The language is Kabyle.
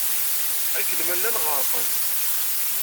Akken ma llan ɣerqen.